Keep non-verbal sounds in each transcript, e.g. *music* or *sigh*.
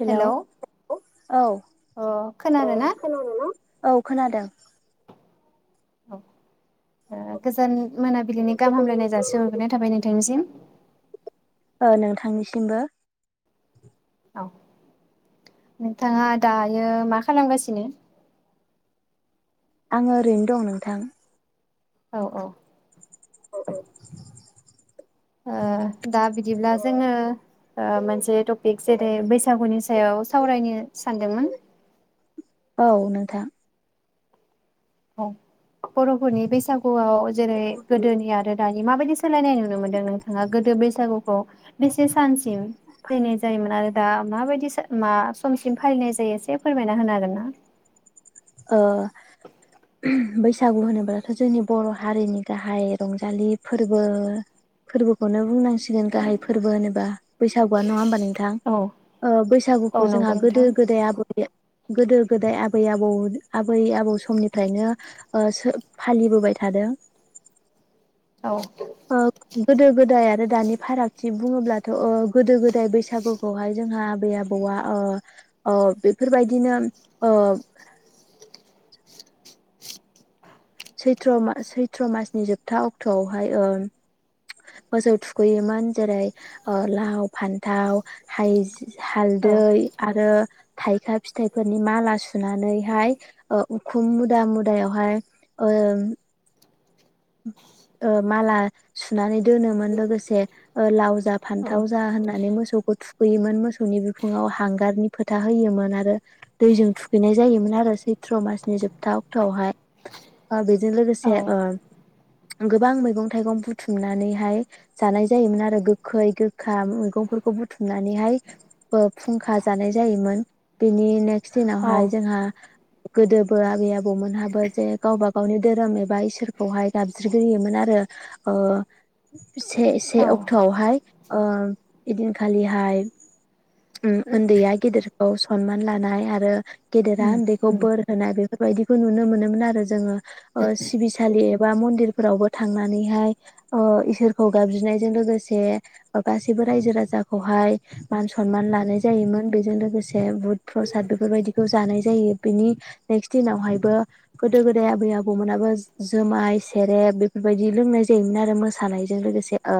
हेल' औ हेलौ अ ओ खोनादों ना खोनादों? औ खोनादों औ ओ गोजान मोनाबिलिनि गाहाम हामलायनाय जासि हरग्रोनाय थाबाय नोंथांनिसिम। ओ नोंथांनिसिमबो। औ नोंथाङा दायो मा खालामगासिनो? आङो ओरैनो दं नोंथां। औ औ। औ औ ओ दा बिदिब्ला जोङो ओ मोनसे टपिक जेरै बैसागुनि सायाव सावरायनो सानदोंमोन। *unintelligible* औ बर'फोरनि बैसागुआव जेरै गोदोनि आरो दानि माबायदि सोलायनाय नुनो मोनदों नोंथाङा गोदो बैसागुखौ बेसे सानस सिम फैनाय जायोमोन आरो दा माबायदि स मा समसिम फालिनाय जायो एसे फोरमायना होनो हागोन ना? ओ बैसागु होनोब्लाथ' जोंनि बर' हारिनि गाहाय रंजालि फोरबो फोरबोखौनो बुंनांस सिगोन गाहाय फोरबो होनोबा। बैसागुआनो नङा होमबा नों थां औ ओ औ बैसागुखौ जोंहा नंगौ गोदो नोंथां गोदाय आबै गोदो गोदाय आबै आबौ आबै आबौ समनिफ्रायनो ओ सो फालिबोबाय थादों। औ अ गोदो गोद दाय आरो दानि फारागथि बुङोब्लाथ' ओ गोदो गोदाय बैसागुखौहाय जोंहा आबै आबौआ ओ ओ बेफोरबायदिनो ओ सैथ्र' मास सैथ्र' मासनि जोबथा अक्ट'आवहाय ओ मोसौ थुखैयोमोन जेरै ओ लाव फान्थाव हाइज औ हालदै आरो थाइखा फिथाइफोरनि माला सुनानैहाय ओ उखुम मुदा मुदायावहाय ओम ओ माला सुनानै दोनोमोन लोगोसे ओ लावज जा औ फानथाव जा होनना माने मोसौखौ थुखैयोमोन मोसौनि बिखुङाव हांगारनि फोथा होयोमोन आरो दैजों थुखैनाय जायोमोन आरो सैथ्र' मासनि जोबथा अक्ट'आवहाय बेजों औ लोगोसे ओ गोबां मैगं थाइगं बुथुमनानैहाय जानाय जायोमोन आरो गोखै गोखा मैगंफोरखौ बुथुमनानैहाय ओ फुंखा जानाय जायोमोन बेनि ने *unintelligible* दिनावहाय औ जोंहा गोदोबो आबै आबौमोनहाबो जे गावबा गावनि धोरोम एबा इसोरखौहाय गाबज्रिग्रोयोमोन आरो ओ से से औ अक्ट'आवहाय ओ इदिनखालिहाय उम उन्दैया गेदेरखौ सनमान लानाय आरो गेदेरा उम उन्दैखौ उम बोर होनाय बेफ बेबायदिखौ नुनो मोनोमोन आरो जोङो ओ सिबिसालि बा मन्दिरफोरावबो थांनानैहाय ओ इसोरखौ गाबज्रिनायजों लोगोसे गासैबो रायजो राजाखौहाय मान सनमान लानाय जायोमोन बेजों लोगोसे बुध प्रसाद बेफोरबायदिखौ जानाय जायो बिनि नेक्स्ट दिनावहायबो गोदो गोदाय आबै आबौमोनाबो जोब माइ सेरेब बेफोरबायदि लोंनाय जायोमोन आरो मोसानायजों लोगोसे ओ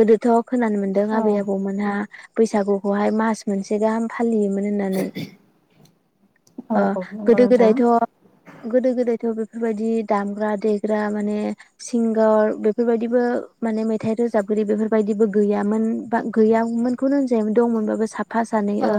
गोदोथ' खोनानो मोनदों औ आबै आबौमोनहा बैसागुखौहाय मास मोनसे गाहाम फालियोमोन होननानै औ ओ औ नंगौ गोदो नोंथां गोदायथ' गोदो गोदायथ' बेफोरबायदि दामग्रा दे ग्रा माने सिंगार बेफोरबायदिबो माने मेथाइ रोजाबगिरि बेफोरबायदिबो गैयामोन बा गैयामोनखौनो होनजायोमोन दंमोनबाबो साब साफा सानै औ ओ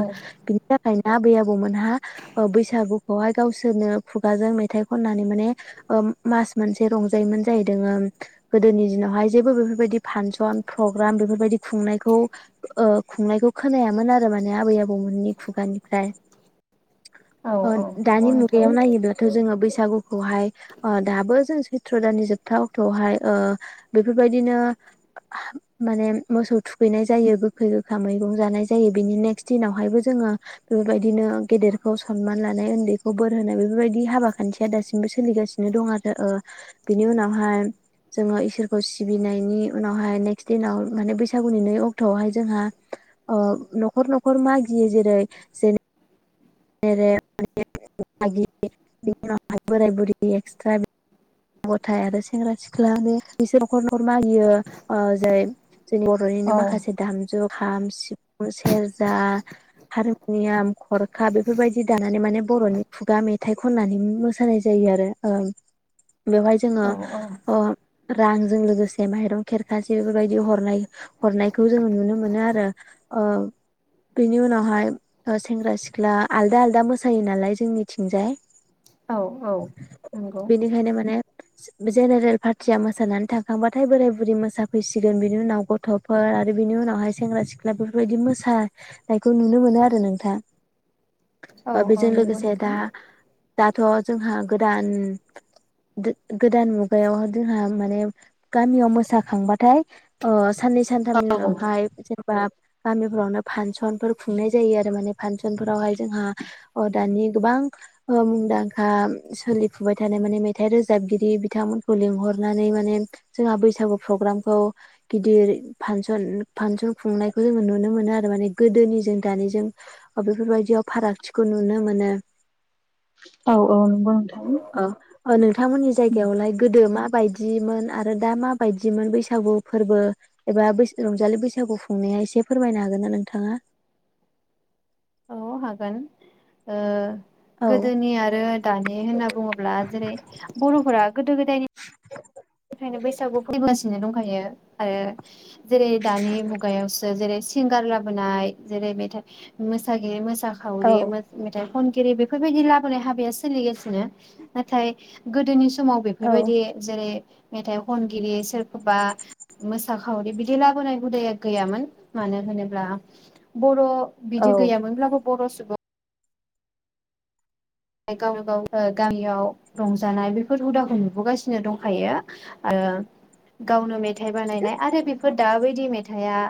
बिनि थाखायनो आबै आबौमोनहा ओ बैसागुखौहाय गावसोरनो खुगाजों मेथाइ खननानै माने ओ मा मोनसे रंजायोमोन जाहैदोंङ गोदोनि दिनावहाय जेबो बेफोरबायदि फांसन प्रग्राम बेफोरबायदि खुंनायखौ ओ खुंनायखौ खोनायामोन आरो माने आबै आबौमोननि खुगानिफ्राय औ अ औ दानि नंगौ नोंथां मुगायाव नायोबाथ' जोङो बैसागु बागुखौहाय ओ दाबो जों सैत्र' दाननि जोबथा अक्ट'आवहाय ओ बेफोरबायदिनो माने मोसौ थुखैनाय जायो गोखै गोखा मैगं जानाय जायो बिनि नेक्सट दिनावहायबो जोङो बेफोरबायदिनो गेदेरखौ सनमान लानाय उन्दैखौ बोर होनाय बेफोरबायदि हाबा खान्थिया दासिमबो सोलिगासिनो दं आरो बिनि उनावहाय जोङो इसोरखौ सिबिनायनि उनावहाय नेक्स्ट दिनाव माने बैसागुनि नै अक्ट'आवहाय जोंहा ओ न'खर न'खर मागियो जेरै जेन *unintelligible* गथ' गथाय आरो सेंग्रा सिख्लाबो बिसोर न'खर न'खर मागियो‌ ओ जाय जोंनि बर'निनो औ माखासे दामजु खाम सिफुं सेरजा हारमुनियाम खरखा बेफोरबायदि दानानै माने बर'नि खुगा मेथाइ खननानै मोसानाय जायो आरो औ। बेवहाय जोङो औ अ‌ रां जों लोगोसे माइरं खेरखासे बेफोरबायदि हरनाय हरनायखौ जोङो नुनो मोनो आरो बेनि उनावहाय ओ सेंग्रा सिख्ला आलदा आलदा मोसायो नालाय जोंनिथिंजाय औ औ नंगौ । ने जेनेरेल पार्टिया मोानानै थांखांबाथाय बोराय बुरि मोसाफैसिगोन बिनि उनाव गथ'फोर आरो बिनि उनावहाय सेंग्रा सिख्ला बेफोरबायदि मोसानायखौ नुनो मोनो आरो नोंथां । अ औ औ बेजों नंगौ लोगोसे दा नोंथां दाथ' जोंहा गोदान गोदान मुगायाव जोंहा माने गामियाव मोसाखांबाथाय ओ साननै सानथामनि उनावहाय जेन बा गामिफोरावनो फांसनफोर खुंनाय जायो आरो माने फांसनफोरावहाय जोंहा ओ दानि गोबां ओ मुंदांखा सोलिफुबाय थानाय माने मेथ मेथाइ रोजाबगिरि बिथांमोनखौ लिंहरनानै माने जोंहा बैसागु प्रग्रामखौ गिदिर फांसन-फांसन खुंनायखौ जोङो नुनो मोनो आरो माने गोदोनि जों दानिजों बेफोरबायदियाव फारागथिखौ नुनो मोनो। औ औ नंगौ नोंथां। अ नों नोंथांमोननि जायगायावलाय गोदो मा माबायदिमोन आरो दा मा बायदिमोन बैसागु फोरबो एबा रंजालि बैसागु खुंनाया एसे फोरमायनो हागोन ना नोंथाङा? औ हागोन ओ औ गोदोनि आरो दानि होनना बुङोब्ला जेरै बर'फोरा गोदो गोदायनि *inaudible* ओंखायनो बैसागु फैगासिनो दंखायो आरो जेरै दानि मुगायावसो जेरै सिंगार लाबोनाय जेरै मेथाइ मोसागिरि औ साखावरिबो मेथाइ खनगिरि बेफोरबायदि लाबोनाय हाबाया सोलिगासिनो नाथाय गोदोनि स समाव औ बेफोरबायदि जेरै मेथाइ खनगिरि सोरखौबा मोसाखावरि बिदि लाबोनाय हुदाया गैयामोन मानो होनोब्ला बर' औ बिदि गैयामोनब्लाबो बर' सुबुं गावनो गाव ओ गामियाव रंजानाय बेफोर हुदाखौ नुबोगासिनो दंखायो आरो गावनो मे थाइ बानायनाय आरो बेफोर दा बाय दि मेथाइआ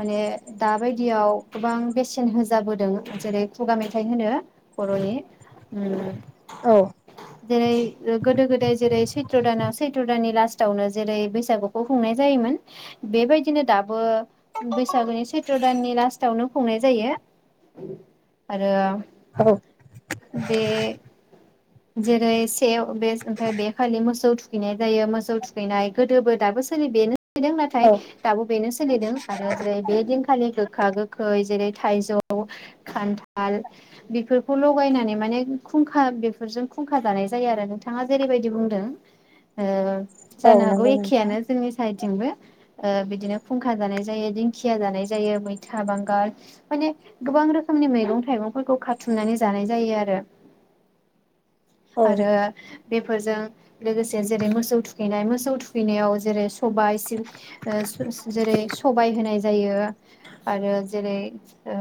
माने दा बाय दियाव गोबां बेसेन होजाबोदों जेरै खुगा मेथाइ होनो बर'नि । उम। औ जेरै गोदो गोदाय जेरै सैत्र दानाव सैत्र दाननि लास फास्टआवनो जेरै- बैसागुखौ खुंनाय जायोमोन। बेबायदिनो दाबो बैसागुनि सैथ्र' दाननि लास्टावनो खुंनाय जायो आरो औ। बे जेरै- सेव बे ओमफ्राय बे खालि मोसौ थु थुखैनाय जायो मोसौ थुखैनाय गोदोबो दाबो सोलि बेनो *unintelligible* औ नाथाय दाबो बेनो सोलिदों आरो जेरै बे दिनखालि गोखा गोखै जेरै थाइजौ खान्थाल बेफोरखौ लगायनानै माने खुंखा बेफोरजों खुंखा जानाय जायो आरो नोंथाङा जेरैबायदि बुंदों ओ औ जानो हागौ नंगौ नोंथां एखेयानो जोंनि सायद थिंबो ओ बिदिनो फुंखा जानाय जायो दिंखिया जानाय जायो मैथा बांगाल माने गोबां रोखोमनि मैगं थाइगंफोरखौ खाथुमनानै जानाय जायो आ औ *inaudible* आरो बेफोरजों लोगोसे जेरै मोसौ थुखैनाय मोसौ थुखैनायाव जेरै सबाय जेरै सबाय होनाय जायो आरो जेरै ओ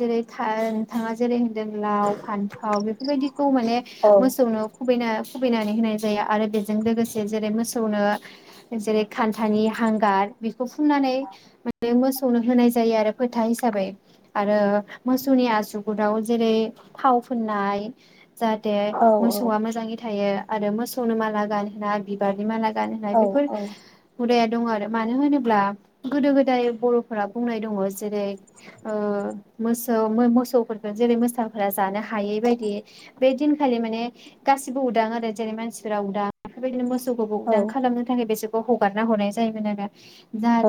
जेरै था नोंथाङा जेरै होनदों लाव फान्थाव बेफोरबायदिखौ माने औ मोसौनो खुबैना खुबैनानै होनाय जायो आरो बेजों लोगोसे जेरै मोसौनो जेरै खान्थानि हांगार बेखौ फुननानै माने मोसौनो होनाय जायो आरो फोथा हिसाबै आरो मोसौनि आसु गुराव जेरै थाव फोननाय जाहाथे औ मोसौआ मोजाङै थायो आरो मोसौनो माला गान होना बिबारनि माला गानहोनाय औ बेफोर हुदाया दं आरो मानो होनोब्ला गोदो गोदाय बर'फोरा बुंनाय दङ जेरै ओ मोसौ मो-मोसौफोर जेरै मोसाफोरा जानो हायै बायदि बे दिनखालि माने गासिबो उदां आरो जेरै मानसिफोरा उदां बेफोरबायदिनो मोस खौबो औ उदां खालामनो थाखाय बेसे खौ हगारना हरनाय जायोमोन आरो।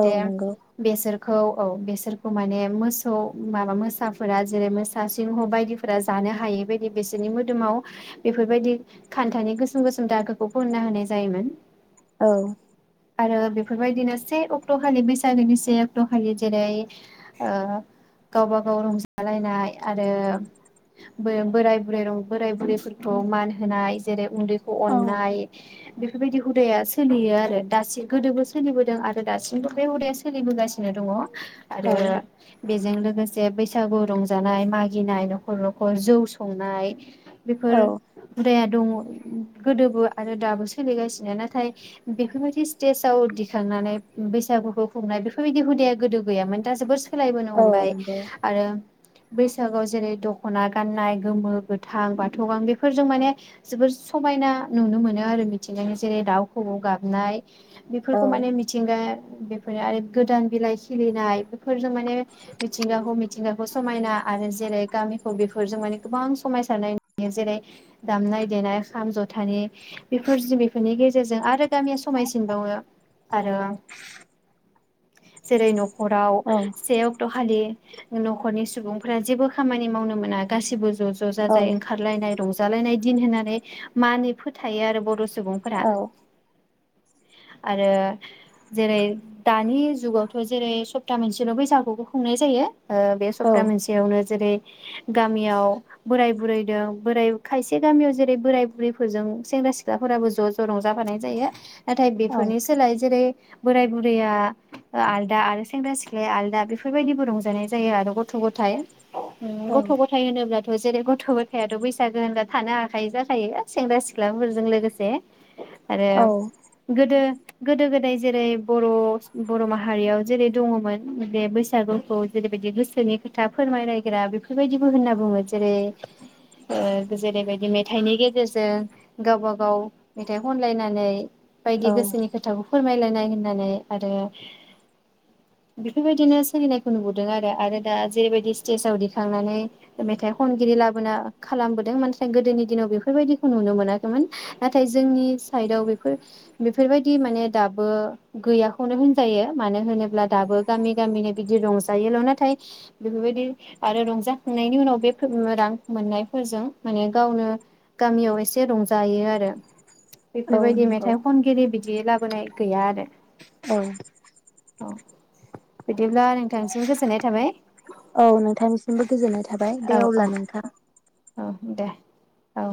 औ नंगौ बेसोर खौ औ बेसोरखौ माने मोसौ माबा मोसाफोरा जेरै मो सा सिंह बायदिफोरा जानो हायै बायदि बिसोरनि मोदोमाव बेफोरबायदि खान्थानि गोसोम गोसोम दागोखौ फोनना होनाय जायोमोन। औ आरो बेफोरबायदिनो से अक्ट'खालि बैसागोनि से अक्ट'खालि जेरै ओ गावबा गाव रंजालायनाय आरो बो-बोराय बुरै रं बोराय बुरैफोरखौ मान होनाय जेरै उन्दै खौ औ अननाय बेफोरबायदि हुदाया सोलियो आरो दासिम गोदोबो सोलिबोदों आरो दासिमबो बे हुदाया सोलिबोगासिनो दङ। आरो औ बेजों लोगोसे बैसाग बैसागु रंजानाय मागिनाय न'खर न'खर जौ संनाय बेफोर औ हुदाया दङ गोदोबो आरो दाबो सोलिगासिनो नाथाय बेफोरबायदि स्टेजाव दिखांनानै बैसागुखौ संनाय बेफोरबायदि हुदाया गोदो गैयामोन दा जोबोर सोलायबोनो औ हमबाय नंगौ आरो बैसागुआव जेरै दख'ना गाननाय गोमो गोथां बाथ' गां बेफोरजों माने जोबोर समायना नुनो मोनो आरो मिथिंगानि जेरै दाउ खौवौ गाबनाय। औ बेफोरखौ माने मिथिंगा बेफोरो आरो गोदान बिलाइ खिलिनाय बेफोरजों माने मिथिंगाखौ मिथिंगाखौ मिथिंगा समायना आरो जेरै गामिखौ बेफोरजों माने गोबां समायसारनाय नुयो जेरै दामनाय देनाय खाम जथानि बेफोर बेफोरनि गेजेरजों आरो गामिया समायसिनबावो आरो जेरै नख राव औ से अक्ट' खालि न'खरनि सुबुं फोरा जेबो खामानि मावनो मोना गासिबो ज' ज' औ जाजाय ओंखारलायनाय रंजा जालायनाय दिन होननानै मानि फोथायो आरो बर' सु सुबुंफोरा आरो जेरै दानि जुगावथ' जेरै सप्ता मोनसेल' बैसागुखौ खुंनाय जायो। ओ बे औ सप्ता मोनसे। जेरै गामियाव बोराय बुरै दो बोराय खायसे गामियाव जेरै बोराय बुरैफोरजों सेंग्रा सिख्लाफोराब ज' ज ज' रंजाफानाय जायो। नाथाय औ बेफोरनि सोलाय जेरै बोराय बुरैया ओ आलदा आरो सेंग्रा सिख्लाया आलदा बेफोरबायदिबो रंजानाय जायो आरो गथ' गथाइ गथ' गथाय होनोब्ला जेरै गथ' गथाइयाथ' बैसागो होनबा थानो हाखायि जाखायो सेंग्रा सिख्लाफोरजों लोगोसे आरो गोदो गोदो गोदाय जेरै बर' बर' माहारियाव। जेरै दङमोन बे बैसागुखौ जेरैबायदि गोसोनि खोथा फोरमायलायग्रा बेफोरबायदिबो होनना बुङो जेरै जेरैबायदि मेथाइनि गेजेरजों गावबा गाव मेथाइ खनलायनानै औ बायदि गोसोनि खोथाखौ फोरमायलायनाय होननानै आरो बेफोरबायदिनो सोलिनायखौ नुबोदों आरो आरो दा जेरैबायदि स्टेजाव दिखांनानै मेथाइ खनगिरि लाबोना खालामबोदों नाथाय गोदोनि दिनाव बेफोरबायदिखौ नुनो मोनाखैमोन नाथाय जोंनि साइदआव बेफोर बेफोरबायदि माने दाबो गैयाखौनो होनजायो मानो होनोब्ला दाबो गामि गामिनो बिदि रंजायोल' नाथाय बेफोरबायदि आरो रंजाखांनायनि उनाव बे रां मोननायफोरजों माने गावनो गामियाव एसे रंजायो आरो औ बेफोरबायदि नंगौ मेथाइ खनगिरि बिदि लाबो नाय गैया आरो औ औ बिदिब्ला नोंथांसिम गोजोननाय थाबाय। औ नोंथांनिसिमबो गोजोननाय थाबाय औ दे औ अब्ला नोंथां औ दे औ